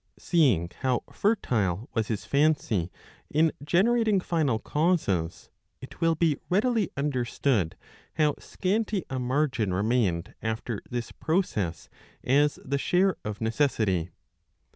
Seeing how fertile was his fancy in generating final causes, it will be readily understood how scanty a margin remained after this process as the share of necessity.